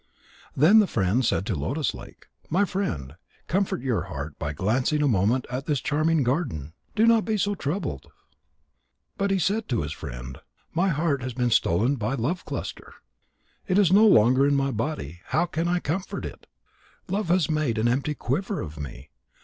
Then the friend said to Lotus lake: "My friend, comfort your heart by glancing a moment at this charming garden. Do not be so troubled." But he said to his friend: "My heart has been stolen by Love cluster. It is no longer in my body. How can I comfort it? Love has made an empty quiver of me.